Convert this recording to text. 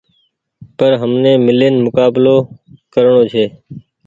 پر همني ميلين مڪبلو ڪرڻو ڇي